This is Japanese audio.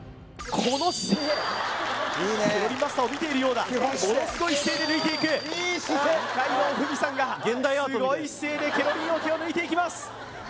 この姿勢ケロリンマスターを見ているようだものすごい姿勢で抜いていく二階堂ふみさんがすごい姿勢でケロリン桶を抜いていきます